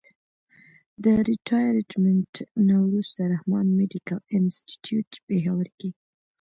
د ريټائرډ منټ نه وروستو رحمان مېډيکل انسټيتيوټ پيښور کښې